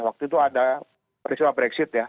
waktu itu ada peristiwa brexit ya